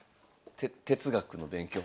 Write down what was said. て哲学の勉強？